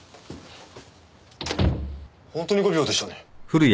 本当に５秒でしたね。